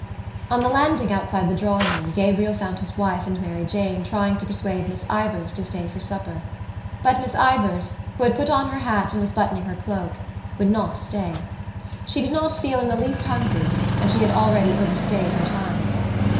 On the landing outside the drawing room Gabriel found his wife and Mary Jane trying to persuade Miss Ivors to stay for supper. But Miss Ivors, who had put on her hat and was buttoning her cloak, would not stay. She did not feel in the least hungry and she had already overstayed her time.